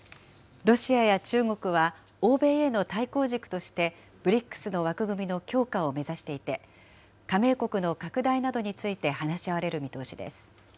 ロシアや中国は欧米への対抗軸として、ＢＲＩＣＳの枠組みの強化を目指していて、加盟国の拡大などにつ